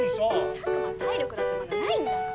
拓磨は体力だってまだないんだから。